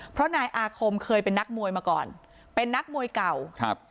เพราะนายอาคมเคยเป็นนักมวยมาก่อนเป็นนักมวยเก่าครับ